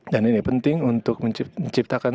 dan ini penting untuk menciptakan